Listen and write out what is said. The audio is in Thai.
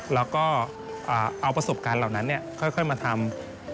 แล้วก็เอาประสบการณ์เหล่านั้นค่อยมาทำ